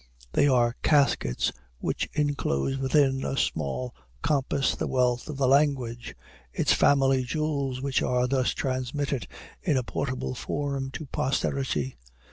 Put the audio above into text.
They are caskets which inclose within a small compass the wealth of the language its family jewels, which are thus transmitted in a portable form to posterity.